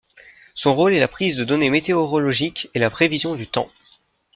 Son rôle est la prise de données météorologiques et la prévision du temps.